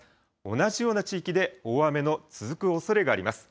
同じような地域で大雨の続くおそれがあります。